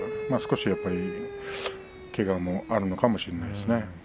少しやっぱりけがも、あるのかもしれませんね。